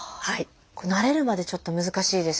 慣れるまでちょっと難しいですね。